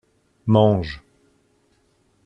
Mange.